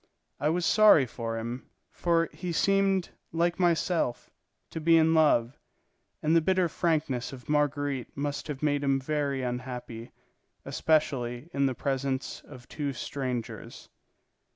I was sorry for him, for he seemed, like myself, to be in love, and the bitter frankness of Marguerite must have made him very unhappy, especially in the presence of two strangers.